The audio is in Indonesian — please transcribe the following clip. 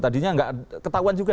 tadinya nggak ketahuan juga